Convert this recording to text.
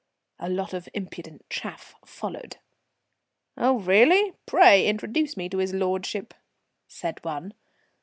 A lot of impudent chaff followed. "Oh! really, pray introduce me to his lordship," said one.